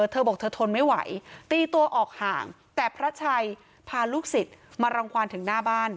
เธอบอกเธอทนไม่ไหวตีตัวออกห่างแต่พระชัยพาลูกศิษย์มารังความถึงหน้าบ้าน